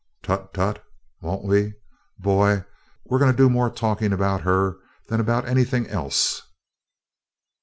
"Tut, tut! Won't we? Boy, we're going to do more talking about her than about anything else.